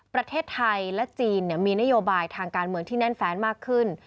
ประเทศไทยและจีนมีนโยบายทางการเมืองที่แน่นแฟนมากขึ้น